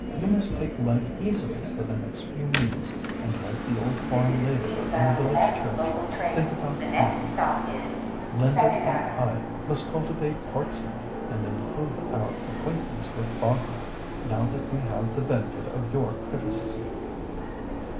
You must take life easily for the next few weeks, and, like the old farm labourer in the village church, 'think about nothing'—Linda and I must cultivate part singing, and improve our acquaintance with Wagner, now that we have the benefit of your criticism."